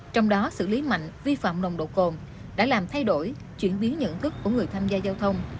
trong đó xử lý mạnh vi phạm nồng độ cồn đã làm thay đổi chuyển biến nhận thức của người tham gia giao thông